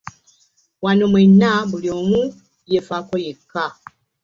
Wano mwenna buli omu yeefaako yekka.